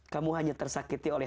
kamu hanya tersakiti oleh